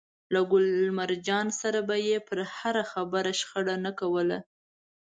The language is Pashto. له ګل مرجان سره به يې پر هره خبره شخړه نه کوله.